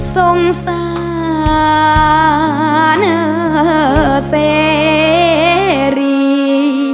สงสาราเสรี